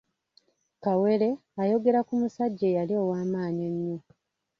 Kawere, ayogera ku musajja eyali ow'amaanyi ennyo.